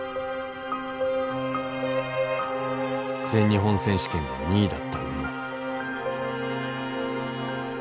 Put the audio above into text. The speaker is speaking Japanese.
全日本選手権で２位だった宇野。